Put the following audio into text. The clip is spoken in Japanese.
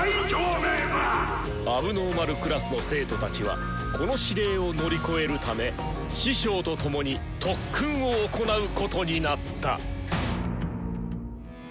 問題児クラスの生徒たちはこの指令を乗り越えるため師匠と共に特訓を行うことになった！